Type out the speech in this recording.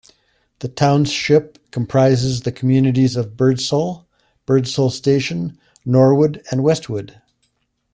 The township comprises the communities of Birdsall, Birdsall Station, Norwood and Westwood.